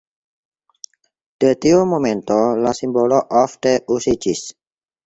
De tiu momento la simbolo ofte uziĝis.